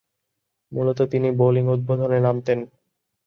মূলতঃ তিনি বোলিং উদ্বোধনে নামতেন।